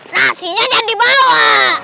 nasinya jangan dibawa